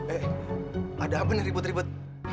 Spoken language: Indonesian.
eh ada apa nih ribet ribet